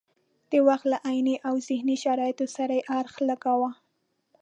د وخت له عیني او ذهني شرایطو سره یې اړخ لګاوه.